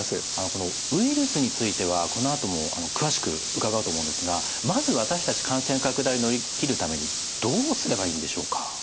このウイルスについてはこのあとも詳しく伺おうと思うんですがまず私たち感染拡大乗り切るためにどうすればいいんでしょうか？